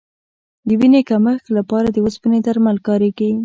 د وینې کمښت لپاره د اوسپنې درمل کارېږي.